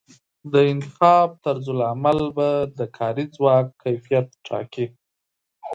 د انتخاب طرزالعمل به د کاري ځواک کیفیت ټاکي.